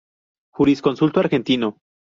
Jurisconsulto argentino.